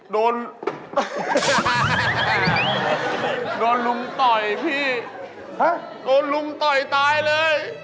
โดนลุ้มต่อยตายเลย